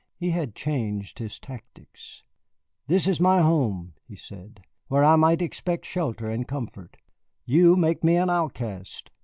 He had changed his tactics. "This is my home," he said, "where I might expect shelter and comfort. You make me an outcast."